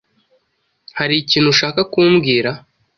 Hari ikintu ushaka kumbwira?